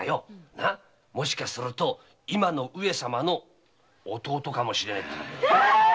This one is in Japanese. もしかすると今の上様の弟かもしれねえんだ。